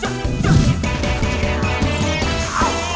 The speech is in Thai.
จะเป็นจุดดูแลกของเค้ากู